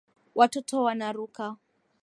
Watoto wanaruka